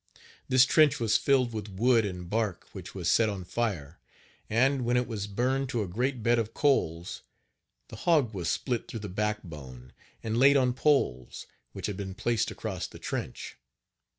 This trench was filled with wood and bark which was set on fire, and, when it was burned to a great bed of coals, the hog was split through the back bone, and laid on poles which had been placed across the trench.